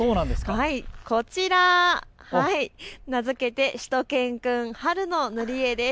こちら名付けて、しゅと犬くん春の塗り絵です。